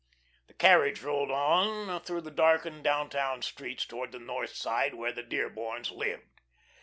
The carriage rolled on through the darkened downtown streets, towards the North Side, where the Dearborns lived.